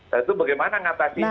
nah itu bagaimana ngatasinya